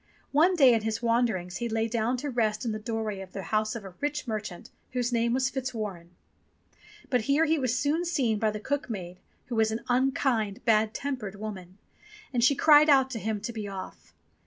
One day in his wanderings he lay down to rest in the doorway of the house of a rich merchant whose name was Fitzwarren. But here he was soon seen by the cook maid who was an unkind, bad tempered woman, and she cried out to him to be off.